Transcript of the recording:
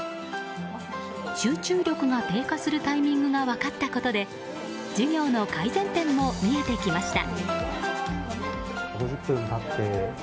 集中力が低下するタイミングが分かったことで授業の改善点も見えてきました。